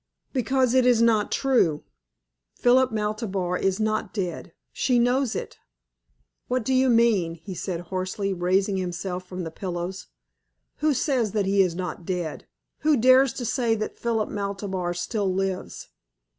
"Because it is not true. Philip Maltabar is not dead. She knows it." "What do you mean?" he said hoarsely, raising himself from the pillows. "Who says that he is not dead? Who dares to say that Philip Maltabar still lives?"